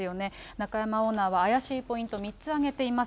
中山オーナーは、怪しいポイントを３つ挙げています。